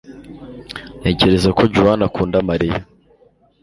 ntekereza ko juan akunda maría